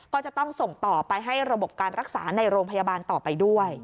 ก็จะต้องส่งต่อไปให้ระบบการรักษาในโรงพยาบาลต่อไปด้วย